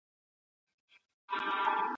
د هغوی قدر او درناوی وکړئ.